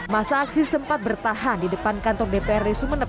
masa aksi sempat bertahan di depan kantor dprd sumeneb